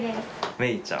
めいちゃん。